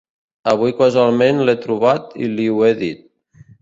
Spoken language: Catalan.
Avui casualment l'he trobat i li ho he dit.